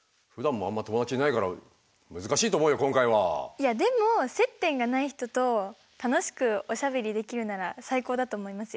いやでも接点がない人と楽しくおしゃべりできるなら最高だと思いますよ。